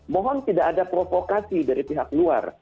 mohon tidak ada provokasi dari pihak luar